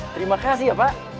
terima kasih ya pak